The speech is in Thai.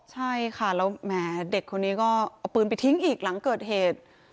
ใช่ค่ะแล้วแหมเด็กคนนี้ก็เอาปืนไปทิ้งอีกหลังเกิดเหตุ